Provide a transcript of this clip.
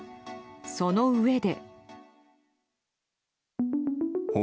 そのうえで。